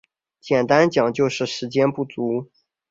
简单讲就是时间不足